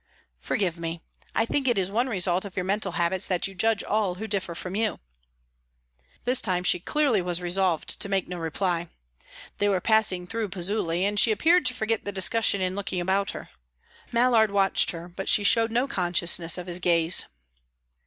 "Forgive me; I think it is one result of your mental habits that you judge all who differ from you." This time she clearly was resolved to make no reply. They were passing through Pozzuoli, and she appeared to forget the discussion in looking about her. Mallard watched her, but she showed no consciousness of his gaze.